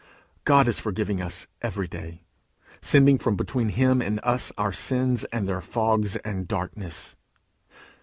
God is forgiving us every day sending from between him and us our sins and their fogs and darkness.